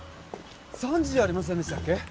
３時じゃありませんでしたっけ？